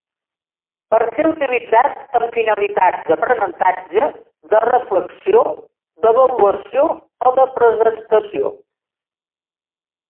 Pot ser utilitzat amb finalitats d'aprenentatge, de reflexió, d'avaluació o de presentació.